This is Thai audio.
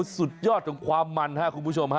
สุดยอดดนตรีความมันครับคุณผู้ชม